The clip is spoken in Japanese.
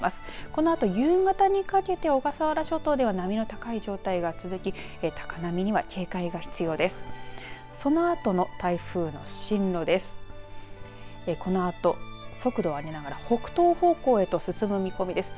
このあと夕方にかけて小笠原諸島では波の高い状態が続き高波には警戒が必要です。